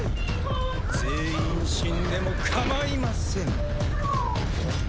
全員死んでも構いません！